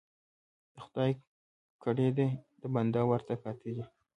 ـ د خداى کړه دي د بنده ورته کاته دي.